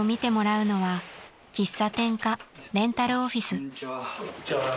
こんにちは。